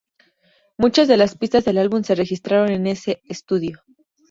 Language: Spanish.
Muchas de las pistas del álbum se registraron en ese estudio.